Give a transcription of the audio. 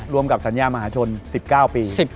รวมกับสัญญามหาชน๑๙ปี